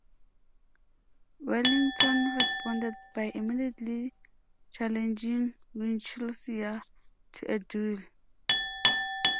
Wellington responded by immediately challenging Winchilsea to a duel.